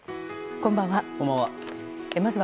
こんばんは。